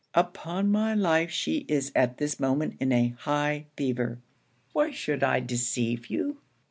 'Upon my life she is at this moment in a high fever. Why should I deceive you?